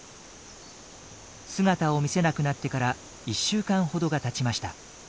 姿を見せなくなってから１週間ほどがたちました。